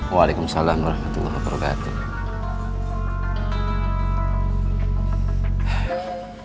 wa'alaikumsalam warahmatullahi wabarakatuh